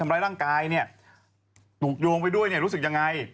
ทำร้ายร่างกายเนี่ยถูกโยงไปด้วยเนี่ยรู้สึกยังไง